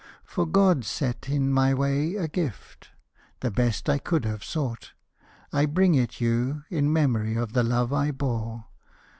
For God set in my way a gift, The best I could have sought. I bring it you In memory of the love I bore.